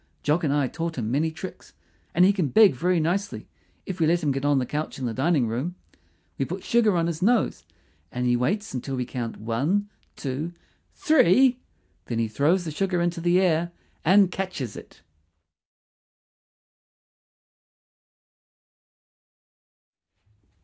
Jock and I taught him many tricks; and he can beg very nicely, if we let him get on the couch in the dining room. We put sugar on his nose, and he waits until we count One, Two, THREE. Then he throws the sugar into the air and catches it.